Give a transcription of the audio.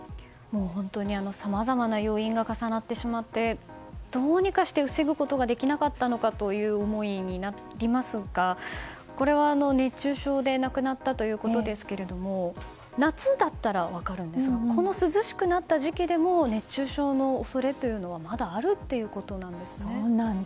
本当にさまざまな要因が重なってしまってどうにかして防ぐことができなかったのかという思いになりますがこれは、熱中症で亡くなったということですけども夏だったら分かるんですがこの涼しくなった時期でも熱中症の恐れというのはまだあるということですか。